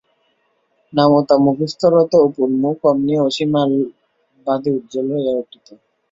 নামতা-মুখস্থ-রত অপুর মুখ অমনি অসীম আহ্বাদে উজ্জ্বল হইয়া উঠিত।